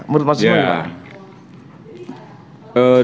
menurut mas sumire apa